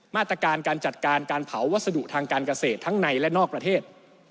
มาตรการการจัดการการเผาวัสดุทางการเกษตรทั้งในและนอกประเทศ